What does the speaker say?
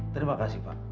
terima kasih pak